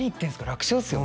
楽勝っすよ」